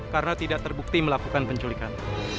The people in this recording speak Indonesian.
karena tidak terbukti melakukan penculikan